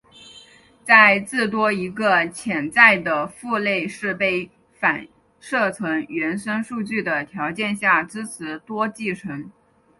在至多一个潜在的父类是被反射成原生数据的条件下支持多继承。